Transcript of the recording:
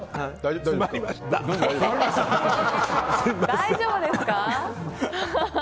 大丈夫ですか。